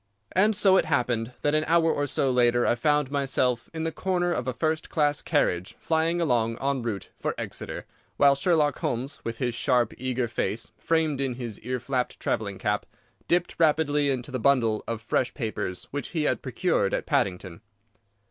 And so it happened that an hour or so later I found myself in the corner of a first class carriage flying along en route for Exeter, while Sherlock Holmes, with his sharp, eager face framed in his ear flapped travelling cap, dipped rapidly into the bundle of fresh papers which he had procured at Paddington.